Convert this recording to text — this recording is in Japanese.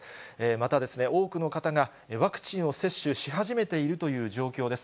また、多くの方がワクチンを接種し始めているという状況です。